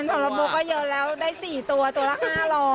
๒๐๐๐สำหรับโบ๊คก็เยอะแล้วได้๔ตัวตัวละ๕๐๐